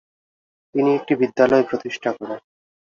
তিনি একটি বিদ্যালয় প্রতিষ্ঠা করেন।